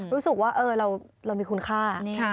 รู้สึกว่าเรามีคุณค่า